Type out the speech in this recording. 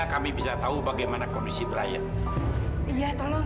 sampai jumpa di video selanjutnya